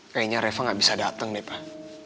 kayaknya reva nggak bisa datang nih pak